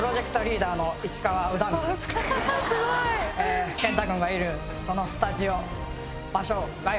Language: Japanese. すごい！健太君がいるそのスタジオ。